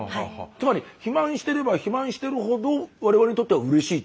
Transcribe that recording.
つまり肥満してれば肥満してるほど我々にとってはうれしいと。